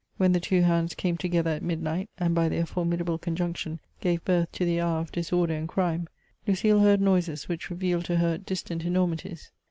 When the two hands came together at mid night, and by their formidable conjunction gave birth to the hour of disorder and crime, Lucile heard noises which revealed to her distant enormities.